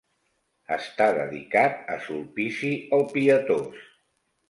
Està dedicada a Sulpici el Pietós.